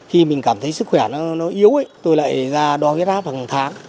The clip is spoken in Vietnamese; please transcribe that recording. khi mình cảm thấy sức khỏe nó yếu tôi lại ra đo huyết áp hàng tháng